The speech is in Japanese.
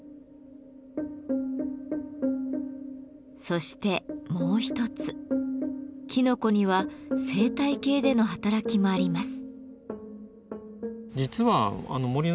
そしてもう一つきのこには生態系での働きもあります。